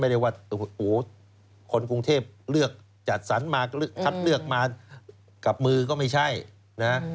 ได้ว่าโอ้โหคนกรุงเทพเลือกจัดสรรมาคัดเลือกมากับมือก็ไม่ใช่นะ